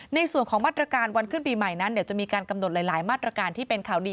ในส่วนของมาตรการวันขึ้นปีใหม่นั้นเดี๋ยวจะมีการกำหนดหลายมาตรการที่เป็นข่าวดี